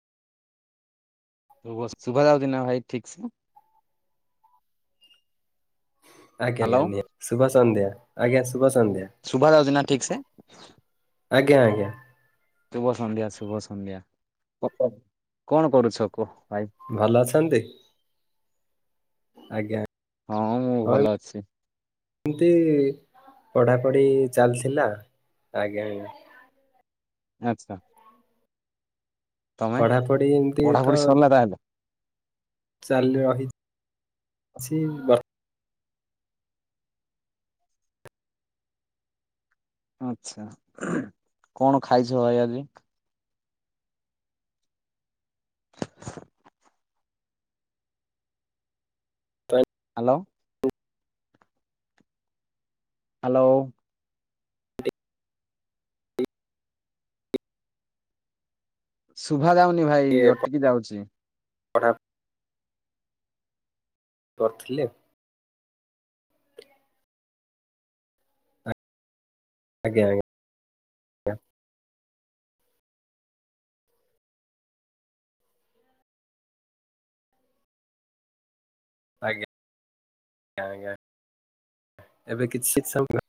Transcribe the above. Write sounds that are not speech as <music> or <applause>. <unintelligible> ଶୁଭାଯାଉଚିନା ଭାଇ ଠିକ ସେ? ଆଜ୍ଞା ଆଜ୍ଞା ହ୍ୟାଲୋ ନି ଶୁଭ ସନ୍ଧ୍ୟା ଆଜ୍ଞା ଶୁଭ ସନ୍ଧ୍ୟା। ଶୁଭାଯାଉଚିନା ଠିକ ସେ? ଆଜ୍ଞା ଆଜ୍ଞା। ଶୁଭ ସନ୍ଧ୍ୟା ଶୁଭ ସନ୍ଧ୍ୟା <unintelligible> କରୁଛ? କୁହ ଭାଇ। ଭଲ ଅଛନ୍ତି? ଆଜ୍ଞା। ହଁ ମୁଁ ହଁ ଭଲ ଅଛି। ଏମିତି ପଢ଼ାପଢି ଚାଲିଥିଲା ଆଜ୍ଞା ଆଞା। ଆଚ୍ଛା। ତମେ ପଢାପଢି ଏମିତି ତ ପଢାପଢି ସରିଲା ତାହେଲେ? ଚାଲି ରହିଛି କିଛି ଆଛା କଣ ଖାଇଛ ଭାଇ ଆଜି? ତ ହ୍ୟାଲୋ। ହ୍ୟାଲୋ। ଟିକେ ଶୁଭା ଯାଉନି ଭାଇ ଅଟିକି ଯାଉଛି। ପଢା କରିଥିଲେ ଆଜ୍ଞା ଆଜ୍ଞା। ଆଜ୍ଞା ଆଜ୍ଞା ଆଞା ଏବେ କିଛି